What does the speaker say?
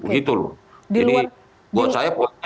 jadi buat saya